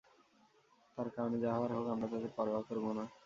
তার কারণে যা হওয়ার হোক, আমরা তাতে পরোয়া করব না।